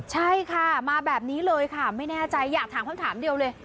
ใช่ค่ะมาแบบนี้เลยค่ะไม่แน่ใจอยากถามคำถามเดียวเลย